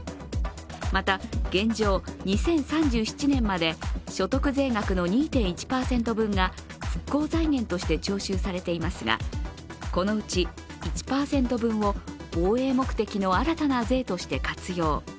また現状、２０３７年まで所得税額の２．１％分が復興財源として徴収されていますが、このうち１％分を防衛目的の新たな税として活用。